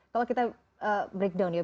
kalau kita breakdown ya